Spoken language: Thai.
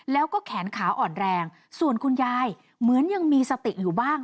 แล้วก็แขนขาอ่อนแรงส่วนคุณยายเหมือนยังมีสติอยู่บ้าง